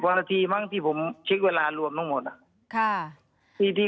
กว่านาทีบ้างที่ผมเช็คเวลารวมทั้งหมดอ่ะค่ะที่ที่